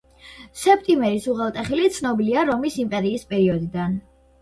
სეპტიმერის უღელტეხილი ცნობილია რომის იმპერიის პერიოდიდან.